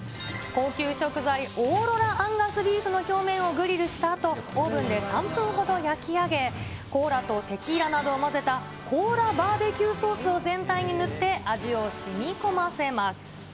高級食材、オーロラアンガスビーフの表面をグリルしたあと、オーブンで３分ほど焼き上げ、コーラとテキーラなどを混ぜたコーラバーベキューソースを全体に塗って、味をしみこませます。